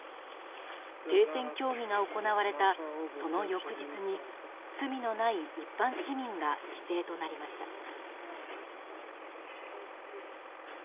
停戦協議が行われたその翌日に罪のない一般市民が犠牲となりました。